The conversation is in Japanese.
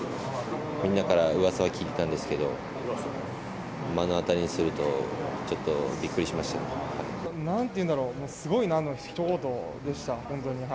みんなからうわさは聞いてたんですけど、目の当たりにすると、なんていうんだろう、もうすごいなのひと言でした、本当に。